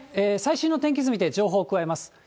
最新の天気図見て、情報、加えます。